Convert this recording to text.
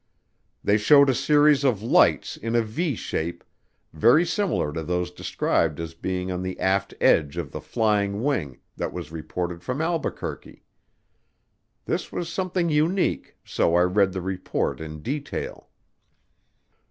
They showed a series of lights in a V shape, very similar to those described as being on the aft edge of the "flying wing" that was reported from Albuquerque. This was something unique, so I read the report in detail.